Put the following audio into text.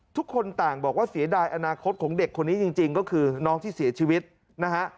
ทุกคนต่างบอกว่าเสียดายอนาคตของเด็กคนนี้จริงก็คือน้องที่เสียชีวิตนะฮะ